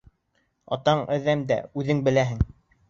Атаң Әҙәм дә, үҙең беләһең